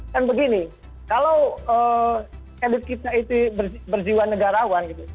dan begini kalau edut kita itu berjiwa negarawan gitu